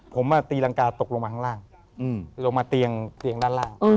ผมตีรังกาตกลงมาข้างล่างลงมาเตียงด้านล่าง